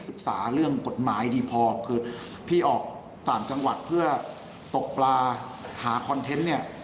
ศึกษาเรื่องกฎหมายดีพอคือพี่ออกต่างจังหวัดเพื่อตกปลาหาคอนเทนต์เนี่ย